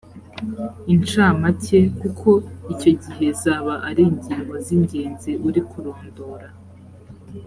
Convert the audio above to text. inshamake kuko icyo gihe zaba ari ingingo z ingenzi uri kurondora